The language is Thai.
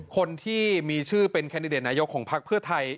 คนที่มีชื่อเป็นแคนดิเดตนายกของพักเพื่อไทย